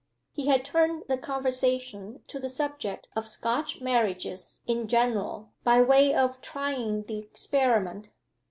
He had turned the conversation to the subject of Scotch marriages in general by way of trying the experiment.